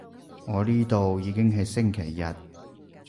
我呢度已經係星期日